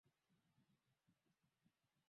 mwaka elfu moja mia tisa hamsini na nne